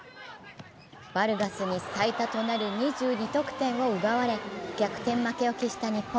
バルガスに最多となる２２得点を奪われ逆転負けを喫した日本。